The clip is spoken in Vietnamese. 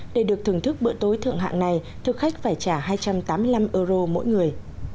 để được thưởng thức bữa tối thượng hạng này thực khách phải trả hai trăm tám mươi năm euro mỗi người